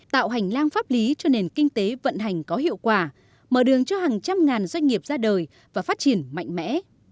tạo hành lang pháp lý cho nền kinh tế vận hành có hiệu quả mở đường cho hàng trăm ngàn doanh nghiệp ra đời và phát triển mạnh mẽ